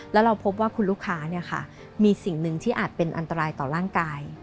แล้วเราพบว่าคุณลูกค้ามีสิ่งหนึ่งที่อาจเป็นอันตรายต่อร่างกาย